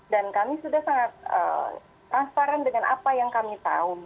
dan kami sudah sangat transparan dengan apa yang kami tahu